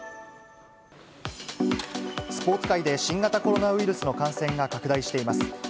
スポーツ界で新型コロナウイルスの感染が拡大しています。